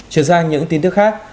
chuyển sang những tin tức khác